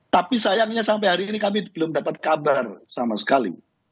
tapi sayangnya sampai hari ini kami belum dapat kabar sama sekali